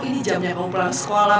ini jamnya panggulang sekolah